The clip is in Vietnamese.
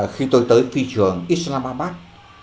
khi tôi tới phi trường islamabad